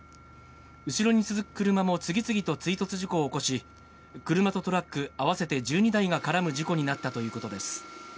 後ろに続く車も次々と追突事故を起こし、車とトラック合わせて１２台が絡む事故になったということです。